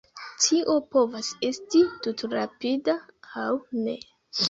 Tio povas esti tutrapida, aŭ ne.